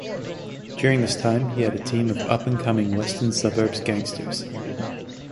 During this time he had a team of up-and-coming western suburbs gangsters.